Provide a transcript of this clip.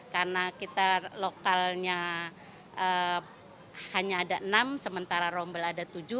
karena kita lokalnya hanya ada enam sementara rombel ada tujuh